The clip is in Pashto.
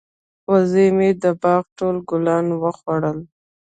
وزې مې د باغ ټول ګلان وخوړل.